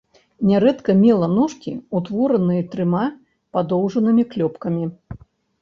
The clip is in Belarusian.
Нярэдка мела ножкі, утвораныя трыма падоўжанымі клёпкамі.